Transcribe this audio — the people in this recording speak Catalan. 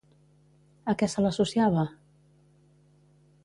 A què se l'associava?